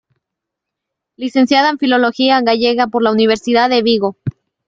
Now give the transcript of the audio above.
Licenciada en Filología Gallega por la Universidad de Vigo.